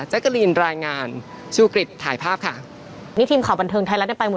กะลีนรายงานชูกริจถ่ายภาพค่ะนี่ทีมข่าวบันเทิงไทยรัฐได้ไปหมด